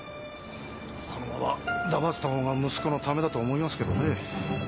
このまま黙ってたほうが息子のためだと思いますけどね。